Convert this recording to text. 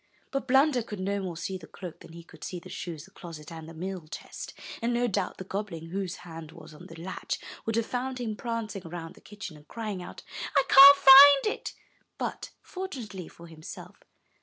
But Blunder could no more see the cloak than he could see the shoes, the closet, and the meal chest; and no doubt the goblin, whose hand was on the latch, would have found him prancing around the kitchen, and crying out, '1 can't find it,'' but, for tunately for himself.